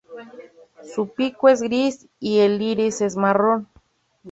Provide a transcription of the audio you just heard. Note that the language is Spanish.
Su pico es gris y el iris es marrón.